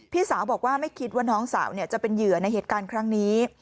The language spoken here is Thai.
พี่สาวบอกว่าไม่คิดว่าน้องสาวจะเป็นเหยื่อในเหตุการณ์ครั้งนี้